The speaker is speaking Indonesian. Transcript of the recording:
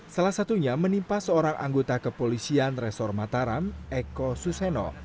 salah satunya menimpa seorang anggota kepolisian resor mataram eko suseno